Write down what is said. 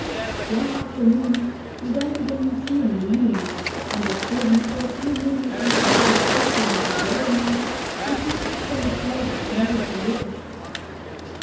One afternoon he went to the Museum Reading room, and was busy for a few minutes in consultation of a volume which he took from the shelves of medical literature.